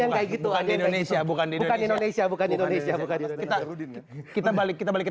yang kayak gitu aja indonesia bukan indonesia bukan indonesia bukan kita balik kita balik ke